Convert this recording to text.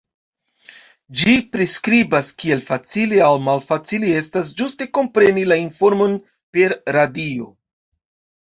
Ĝi priskribas kiel facile aŭ malfacile estas ĝuste kompreni la informon per radio.